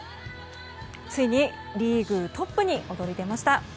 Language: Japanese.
ついにリーグトップに躍り出ました。